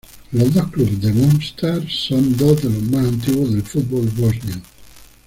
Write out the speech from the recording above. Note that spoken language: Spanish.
Los dos clubes de Mostar son dos de los más antiguos del fútbol bosnio.